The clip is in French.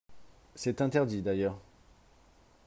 C’est interdit, d’ailleurs